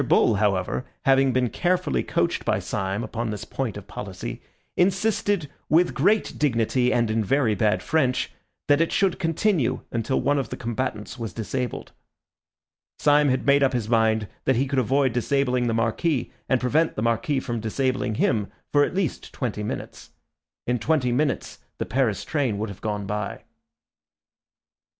Bull, however, having been carefully coached by Syme upon this point of policy, insisted, with great dignity and in very bad French, that it should continue until one of the combatants was disabled. Syme had made up his mind that he could avoid disabling the Marquis and prevent the Marquis from disabling him for at least twenty minutes. In twenty minutes the Paris train would have gone by.